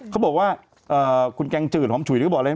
เขาบอกว่าคุณแกงจืดหอมฉุยก็บอกเลย